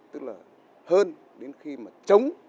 tức là hơn đến khi mà chống